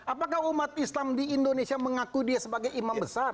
apakah umat islam di indonesia mengaku dia sebagai imam besar